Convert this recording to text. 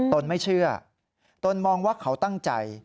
ตนไม่เชื่อตนมองว่าเขาตั้งใจ